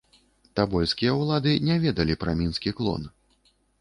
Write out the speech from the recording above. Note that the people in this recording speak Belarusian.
Табольскія ўлады не ведалі пра мінскі клон.